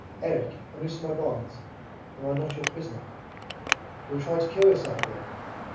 "Erik, unloose my bonds ... Am I not your prisoner?" "You will try to kill yourself again."